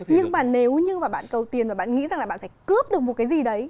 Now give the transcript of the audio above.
nhưng mà nếu như bạn cầu tiền và bạn nghĩ rằng là bạn phải cướp được một cái gì đấy